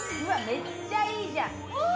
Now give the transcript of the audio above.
めっちゃいいじゃん。お！